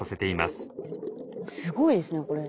すごいですねこれ。